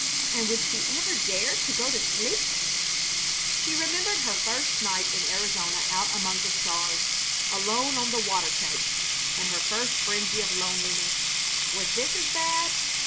And would she ever dare to go to sleep? She remembered her first night in Arizona out among the stars, alone on the water tank, and her first frenzy of loneliness. Was this as bad?